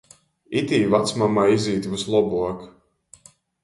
Itī vacmamai izīt vyslobuok.